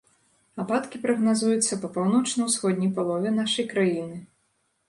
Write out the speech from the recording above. Ападкі прагназуюцца па паўночна-ўсходняй палове нашай краіны.